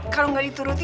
kalo gak dituruti